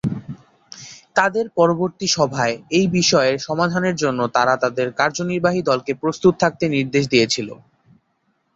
তাদের পরবর্তী সভায় এই বিষয়ের সমাধানের জন্য তারা তাদের কার্যনির্বাহী দলকে প্রস্তুত থাকতে নির্দেশ দিয়েছিল।